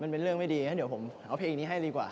มันเป็นเรื่องไม่ดีนะเดี๋ยวผมเอาเพลงนี้ให้ดีกว่า